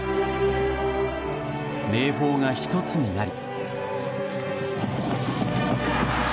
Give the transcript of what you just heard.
明豊が１つになり。